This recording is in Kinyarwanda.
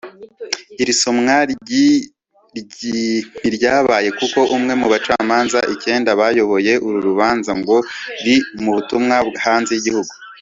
iri somwa ntiryabaye kuko umwe mu bacamanza icyenda bayoboye uru rubanza ngo ari mu butumwa hanze y’igihugu